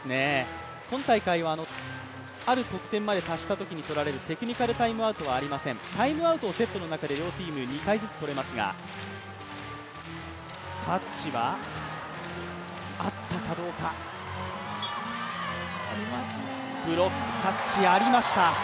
今大会はある得点に達したときまでに取られる、テクニカルタイムアウトはありません、タイムアウトをセットの中で両チーム２回ずつとれますがタッチはあったかどうか、ブロックタッチありました。